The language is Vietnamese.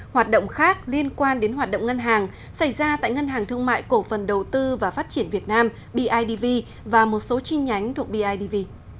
hoạt động khác liên quan đến hoạt động ngân hàng xảy ra tại ngân hàng thương mại cổ phần đầu tư và phát triển việt nam bidv và một số chi nhánh thuộc bidv